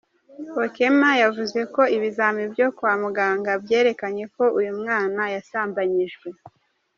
Okema yavuze ko ibizami byo kwa muganga byerekanye ko uyu mwana yasambanyijwe.